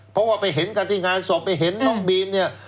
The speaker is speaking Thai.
เพราะว่าไปเห็นกันที่งานศพไปเห็นน้องบีมเนี่ย